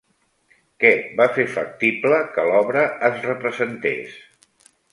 Què va fer factible que l'obra es representés?